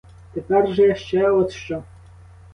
Тепер же ще от що.